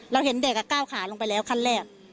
เราเห็นเด็กก้าวขาลงไปแล้วขั้นแรก